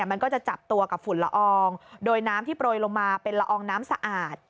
มันก็จะจับตัวกับฝุ่นละอองโดยน้ำที่โปรยลงมาเป็นละอองน้ำสะอาด